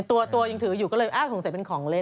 ตัวยังถืออยู่ก็เลยสงสัยเป็นของเล่น